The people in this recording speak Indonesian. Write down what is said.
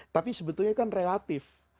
tapi sebetulnya kan relatif